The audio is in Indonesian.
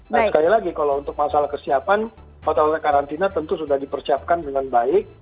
nah sekali lagi kalau untuk masalah kesiapan hotel hotel karantina tentu sudah dipersiapkan dengan baik